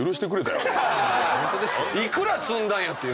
幾ら積んだんや？っていう。